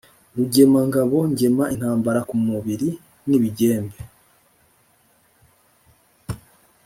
Rugemangabo ngema intambara ku mubili n'ibigembe